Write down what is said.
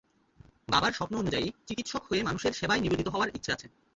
বাবার স্বপ্ন অনুযায়ী চিকিৎসক হয়ে মানুষের সেবায় নিবেদিত হওয়ার ইচ্ছে আছে।